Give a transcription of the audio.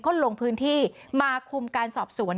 ก็ลงพื้นที่มาคุมการสอบสวน